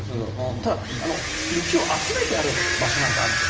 ただ、雪を集めてる場所なんかがあるんですよ。